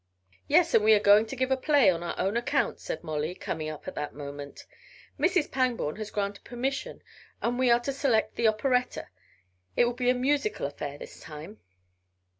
"Yes, and we are going to give a play on our own account," said Molly, coming up at that moment. "Mrs. Pangborn has granted permission and we are about to select the operetta it will be a musical affair this time."